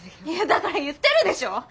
いやだから言ってるでしょ！